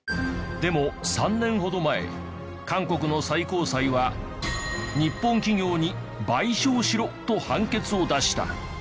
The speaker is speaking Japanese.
でも３年ほど前韓国の最高裁は日本企業に「賠償しろ」と判決を出した。